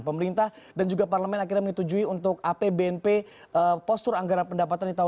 pemerintah dan juga parlemen akhirnya menyetujui untuk apbnp postur anggaran pendapatan di tahun dua ribu